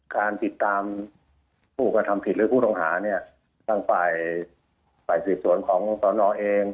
แกรมติดตามผู้ก็ทำผิดหรือผู้ตรงหาเนี่ยส่างฝ่ายศิษย์สวนของหลอดเอง